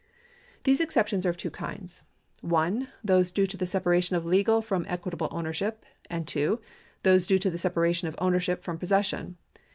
These exceptions are of two kinds : (1) those due to the separation of legal from equitable ownership, and (2) those due to the separation of ownership from possession.